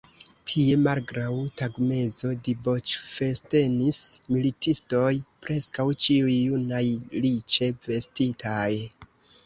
Tie, malgraŭ tagmezo, diboĉfestenis militistoj, preskaŭ ĉiuj junaj, riĉe vestitaj.